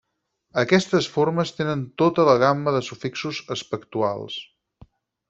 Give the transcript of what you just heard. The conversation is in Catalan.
Aquestes formes tenen tota la gamma de sufixos aspectuals.